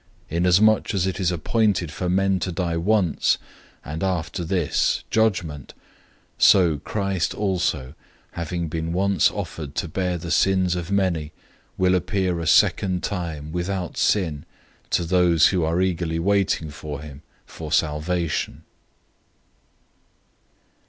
009:027 Inasmuch as it is appointed for men to die once, and after this, judgment, 009:028 so Christ also, having been offered once to bear the sins of many, will appear a second time, without sin, to those who are eagerly waiting for him for salvation.